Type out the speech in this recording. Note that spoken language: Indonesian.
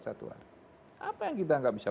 satu hari apa yang kita nggak bisa